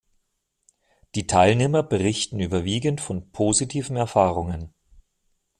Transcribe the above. Die Teilnehmer berichten überwiegend von positiven Erfahrungen.